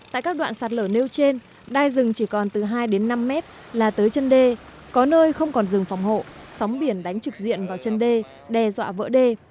tại các đoạn sạt lở nêu trên đai rừng chỉ còn từ hai đến năm mét là tới chân đê có nơi không còn rừng phòng hộ sóng biển đánh trực diện vào chân đê đe dọa vỡ đê